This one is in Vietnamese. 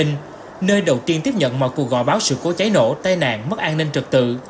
nơi đầu tiên tiếp nhận mọi cuộc gọi báo sự cố cháy nổ tai nạn mất an ninh trật tự